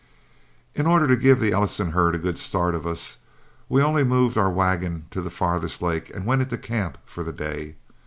In order to give the Ellison herd a good start of us, we only moved our wagon to the farthest lake and went into camp for the day.